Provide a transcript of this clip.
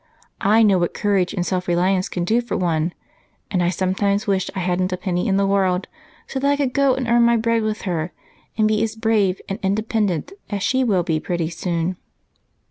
I know what courage and self reliance can do for one, and I sometimes wish I hadn't a penny in the world so that I could go and earn my bread with her, and be as brave and independent as she will be pretty soon."